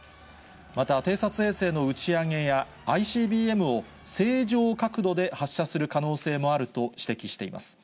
また、偵察衛星の打ち上げや、ＩＣＢＭを正常角度で発射する可能性もあると指摘しています。